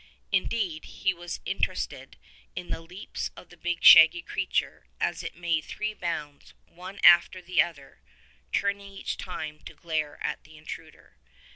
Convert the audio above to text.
Indeed he was inter ested in the leaps of the big shaggy creature as it made three bounds one after the other, turning each time to glare at the intruder.